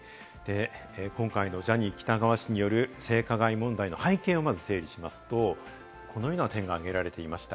今回のジャニー喜多川氏による性加害問題の背景をまず整理しますと、このような点が挙げられていました。